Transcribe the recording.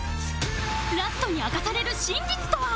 ラストに明かされる真実とは？